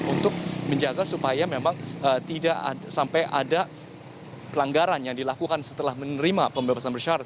untuk menjaga supaya memang tidak sampai ada pelanggaran yang dilakukan setelah menerima pembebasan bersyarat